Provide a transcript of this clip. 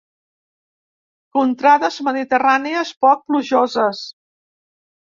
Contrades mediterrànies poc plujoses.